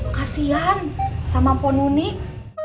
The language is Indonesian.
kasian sama emponunik